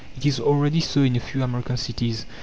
It is already so in a few American cities.